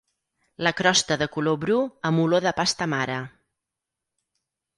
La crosta de color bru amb olor de pasta mare.